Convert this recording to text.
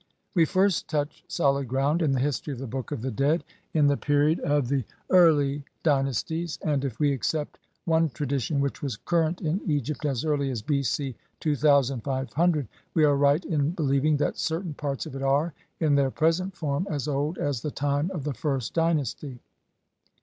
We first touch solid ground in the history of the Book of the Dead in the period of the early dynasties, and, if we accept one tradition which was current in Egypt as early as B. C. 2500, we are right in believ ing that certain parts of it are, in their present form, as old as the time of the first dynasty.